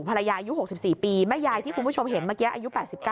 อายุ๖๔ปีแม่ยายที่คุณผู้ชมเห็นเมื่อกี้อายุ๘๙